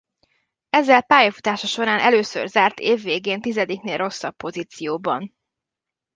Ezzel pályafutása során először zárt év végén tizediknél rosszabb pozícióban.